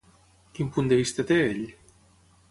Quin punt de vista té ell?